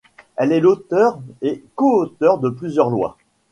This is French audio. Elle est l'auteure et co-auteure de plusieurs lois.